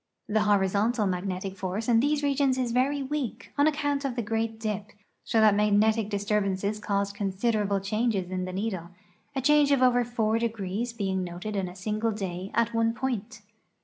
The horizontal magnetic force in these regions is very weak on account of the great dip, so that mag netic disturbances caused considerable changes in the needle, a change of over four degrees being noted in a single day at one point.